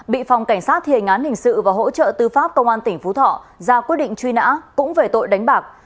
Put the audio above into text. bị phòng cảnh sát thiền án hình sự và hỗ trợ tư pháp công an tỉnh phú thọ ra quyết định truy nã cũng về tội đánh bạc